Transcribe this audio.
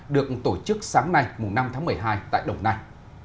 được tổ chức sáng nay năm tháng một mươi hai tại đồng nai